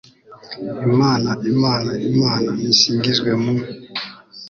imana, imana, imana nisingizwe mu